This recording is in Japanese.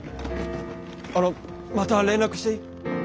あのまた連絡していい？